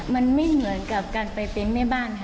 มันไม่เหมือนกับการไปเป็นแม่บ้านค่ะ